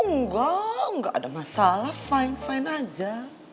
nggak nggak ada masalah fine fine aja